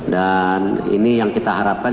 dan ini yang kita harapkan